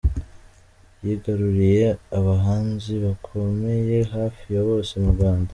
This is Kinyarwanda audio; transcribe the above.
Yigaruriye abahanzi bakomeye hafi ya bose mu Rwanda.